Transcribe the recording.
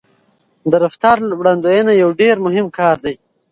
د رفتار وړاندوينه یو ډېر مهم کار دی.